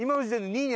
２位に。